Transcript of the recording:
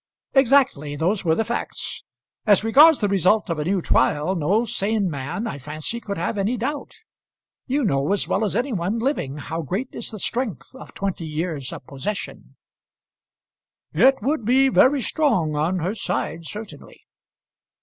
"Exactly; those were the facts. As regards the result of a new trial, no sane man, I fancy, could have any doubt. You know as well as any one living how great is the strength of twenty years of possession " "It would be very strong on her side, certainly."